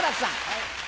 はい。